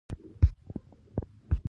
ګاونډیانو چرګ وواژه.